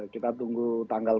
kita tunggu tanggal